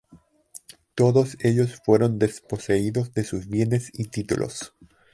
Todos ellos fueron desposeídos de sus bienes y títulos.